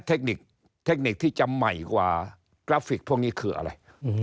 เทคนิคเทคนิคที่จะใหม่กว่ากราฟิกพวกนี้คืออะไร